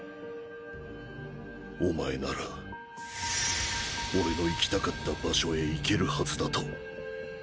おまえなら俺の行きたかった場所へ行けるハズだと。